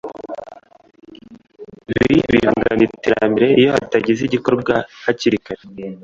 Ibi bibangamira iterambere iyo hatagize igikorwa hakiri kare